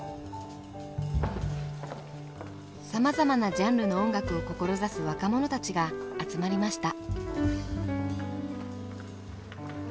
さまざまなジャンルの音楽を志す若者たちが集まりました。